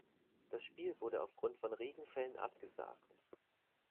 Das Spiel wurde auf Grund von Regenfällen abgesagt.